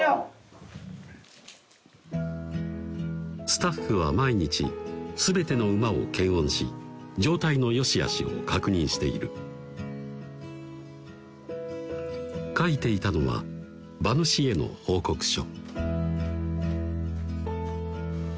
スタッフは毎日全ての馬を検温し状態のよしあしを確認している書いていたのは馬主への報告書